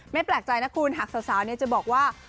แปลกใจนะคุณหากสาวจะบอกว่า